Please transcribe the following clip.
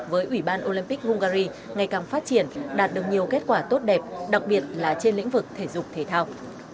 với ủy ban olympic hungary ngày càng phát triển đạt được nhiều kết quả tốt đẹp đặc biệt là trên lĩnh vực thể dục thể thao